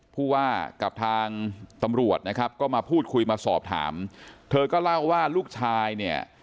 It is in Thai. ผู้ว่ากับทางตำรวจนะครับก็มาพูดคุยมาสอบถามเธอก็เล่าว่าลูกชายเนี่ย